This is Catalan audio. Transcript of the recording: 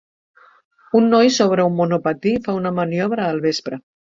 Un noi sobre un monopatí fa una maniobra al vespre.